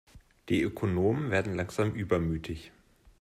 Die Ökonomen werden langsam übermütig.